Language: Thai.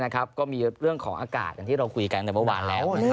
ก็มีเรื่องของอากาศที่เราคุยงานมาวานแล้ว